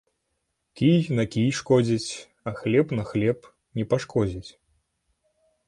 Кій на кій шкодзіць, а хлеб на хлеб не пашкодзіць.